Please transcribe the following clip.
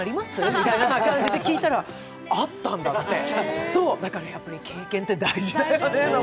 みたいな感じで聞いたらあったんだって、だからやっぱり経験って大事だなって